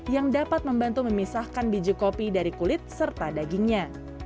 yang dapat membantu memisahkan biji kopi dari kulit serta dagingnya